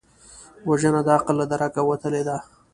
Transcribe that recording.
وژنه د عقل له درکه وتلې ده